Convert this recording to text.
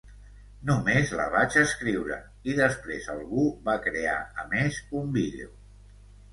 Només la vaig escriure, i després algú va crear a més un vídeo.